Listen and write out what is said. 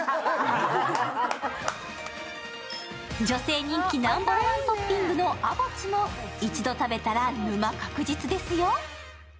女性人気ナンバーワントッピングのアボチも、一度食べたら沼確実ですよ。